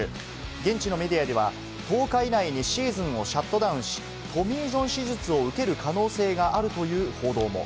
現地のメディアでは１０日以内にシーズンをシャットダウンし、トミー・ジョン手術を受ける可能性があるという報道も。